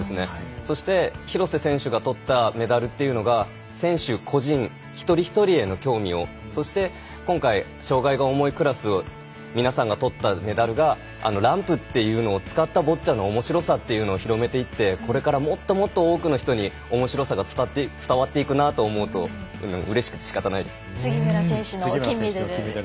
そして、廣瀬選手が取ったメダルというのが選手個人一人一人への興味をそして今回今回障がいが重いクラスを皆さんが取ったメダルがランプというのを使ったボッチャのおもしろさというのを広めっていってこれからもっともっと多くの人におもしろさが伝わっていくなと思うと杉村選手の金メダル